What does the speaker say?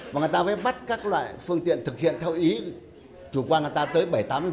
và người ta phải bắt các loại phương tiện thực hiện theo ý chủ quan người ta tới bảy mươi tám mươi